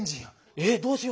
えっどうしよ。